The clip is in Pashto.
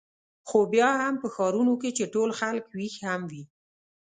خو بیا هم په ښارونو کې چې ټول خلک وېښ هم وي.